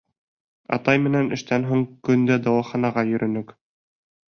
Атай менән эштән һуң көн дә дауаханаға йөрөнөк.